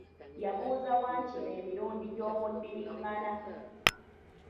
Yabuuza Wakayima emirundi gy'omuddiringana .